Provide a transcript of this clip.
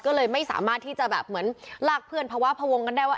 ก็เลยไม่สามารถที่จะแบบเหมือนลากเพื่อนภาวะพวงกันได้ว่า